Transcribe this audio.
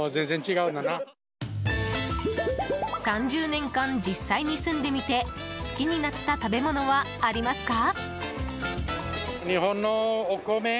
３０年間、実際に住んでみて好きになった食べ物はありますか。